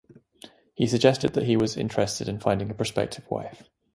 He suggested that he was interested in finding a prospective wife.